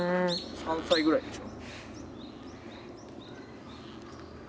３歳ぐらいでしょ。